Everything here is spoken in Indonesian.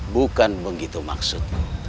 bukan begitu maksudku